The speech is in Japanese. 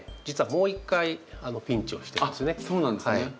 実はもう一回ピンチをしてるんですね。